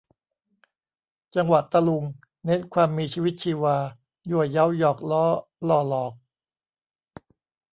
จังหวะตะลุง เน้นความมีชีวิตชีวา ยั่วเย้า หยอกล้อ ล่อหลอก